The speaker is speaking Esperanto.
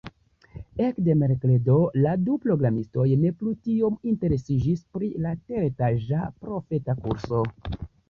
Ekde merkredo la du programistoj ne plu tiom interesiĝis pri la teretaĝa profeta kurso.